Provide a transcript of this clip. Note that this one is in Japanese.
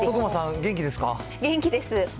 元気です。